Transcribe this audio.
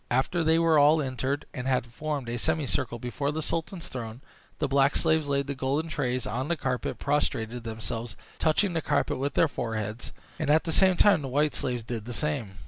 After they were all entered, and had formed a semi circle before the sultan's throne, the black slaves laid the golden trays on the carpet, prostrated themselves, touching the carpet with their foreheads, and at the same time the white slaves did the same.